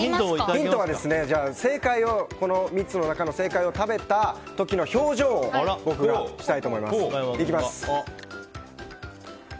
ヒントは３つの中の正解のものを食べた時の表情を僕がしたいと思います。